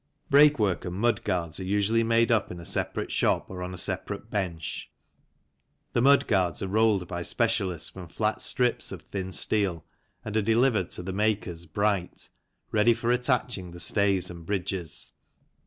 Brakework and mudguards are usually made up in a separate shop or on a separate bench. The mud guards are rolled by specialists from flat strips of thin steel and are delivered to the makers bright, ready for attaching the stays and bridges.